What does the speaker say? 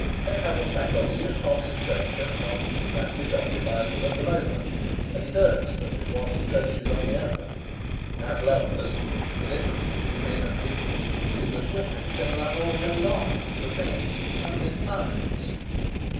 They have a faculty of concentration on that which occupies them at the moment, and it irks them if one encroaches on the other. As lovers, the difference between men and women is that women can love all day long, but men only at times.